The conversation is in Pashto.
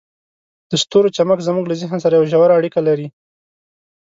د ستورو چمک زموږ له ذهن سره یوه ژوره اړیکه لري.